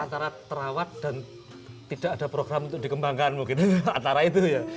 antara terawat dan tidak ada program untuk dikembangkan mungkin antara itu ya